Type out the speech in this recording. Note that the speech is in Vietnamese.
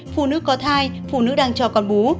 phụ nữ có thai phụ nữ đang cho con bú